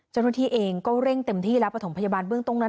เจ้าหน้าที่เองก็เร่งเต็มที่แล้วประถมพยาบาลเบื้องต้นนั้น